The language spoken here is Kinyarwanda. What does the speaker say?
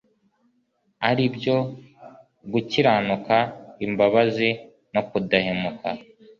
ari byo: Gukiranuka, imbabazi no kudahemuka.